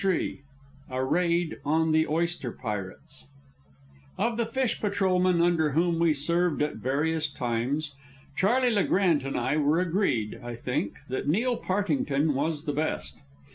III A RAID ON THE OYSTER PIRATES Of the fish patrolmen under whom we served at various times, Charley Le Grant and I were agreed, I think, that Neil Partington was the best.